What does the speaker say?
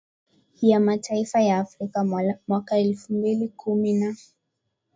ya mataifa ya afrika mwaka elfu mbili kumi na